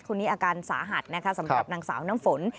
คนนี้อาการสาหัสนะคะสำหรับนางสาวน้ำฝน